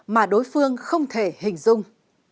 mà đối phương không thể hình dung